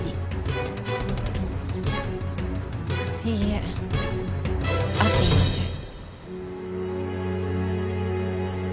いいえ会っていません。